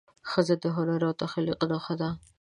ښځه د هنر او تخلیق نښه ده.